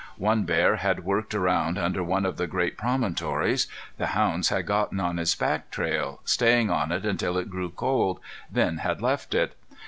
One bear had worked around under one of the great promontories. The hounds had gotten on his back trail, staying on it until it grew cold, then had left it.